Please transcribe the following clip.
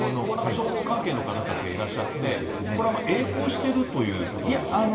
消防関係の方たちがいらっしゃって、これはえい航してることなんでしょうか。